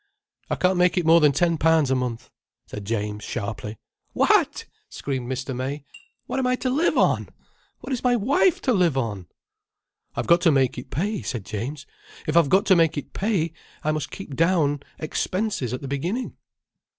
"I can't make it more than ten pounds a month," said James sharply. "What!" screamed Mr. May. "What am I to live on? What is my wife to live on?" "I've got to make it pay," said James. "If I've got to make it pay, I must keep down expenses at the beginning."